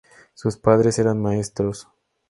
Sus padres eran maestros.